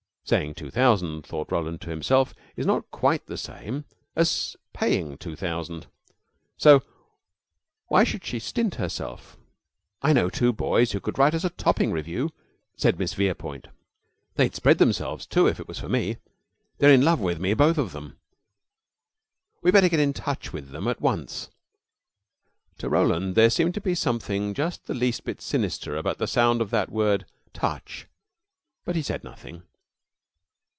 Saying two thousand, thought Roland to himself, is not quite the same as paying two thousand, so why should she stint herself? "I know two boys who could write us a topping revue," said Miss Verepoint. "They'd spread themselves, too, if it was for me. They're in love with me both of them. We'd better get in touch with them at once." To Roland, there seemed to be something just the least bit sinister about the sound of that word "touch," but he said nothing.